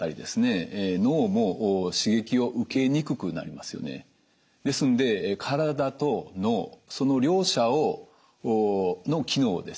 ですので体と脳その両者の機能をですね